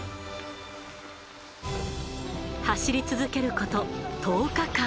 走り続ける事１０日間。